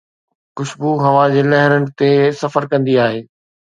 خوشبو هوا جي لهرن تي سفر ڪندي آهي